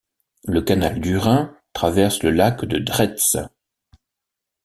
Le canal du Rhin traverse le lac de Dreetz.